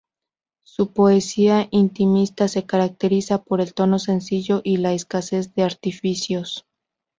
Su poesía intimista se caracteriza por el tono sencillo y la escasez de artificios.